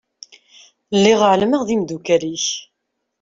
Lliɣ εelmeɣ d imdukal-ik.